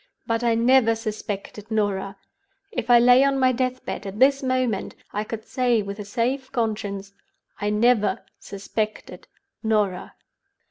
But I never suspected Norah. If I lay on my death bed at this moment I could say with a safe conscience I never suspected Norah.